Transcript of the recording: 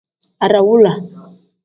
Adawula.